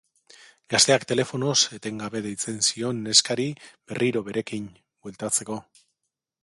Gazteak telefonoz etengabe deitzen zion neskari berriro berekin bueltatzeko.